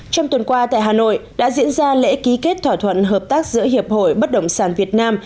trong tuần qua tại hà nội đã diễn ra lễ ký kết thỏa thuận hợp tác giữa hiệp hội bất động sản việt nam